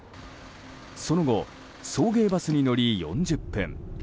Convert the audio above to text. その後、送迎バスに乗り４０分。